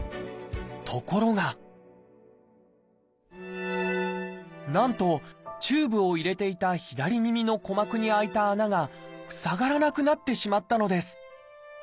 ところがなんとチューブを入れていた左耳の鼓膜に開いた穴が塞がらなくなってしまったのです。